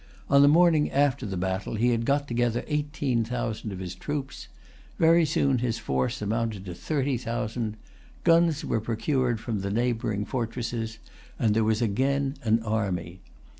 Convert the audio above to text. On the morning after the battle he had got together eighteen thousand of his troops. Very soon his force amounted to thirty thousand. Guns were procured from the neighboring fortresses; and there was again an army.